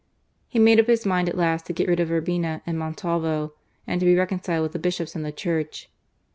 He made up his mind, at last, to get rid of Urbina and Montalvo, and to be reconciled with the Bishops and the Church.